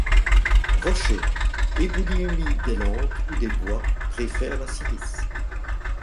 Rochers, éboulis humides des landes ou des bois, préfère la silice.